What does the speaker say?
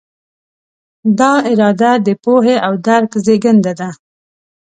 دا اراده د پوهې او درک زېږنده ده.